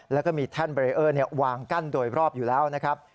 แล้วก็มีแท่นเบรเออร์วางกั้นโดยรอบอยู่แล้วนะครับ